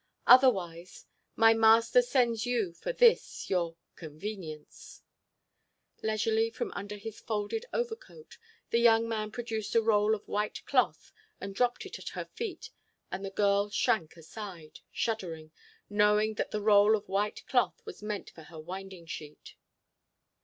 Otherwise—my Master sends you this for your—convenience." Leisurely, from under his folded overcoat, the young man produced a roll of white cloth and dropped it at her feet and the girl shrank aside, shuddering, knowing that the roll of white cloth was meant for her winding sheet.